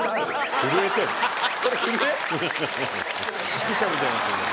指揮者みたいになってる。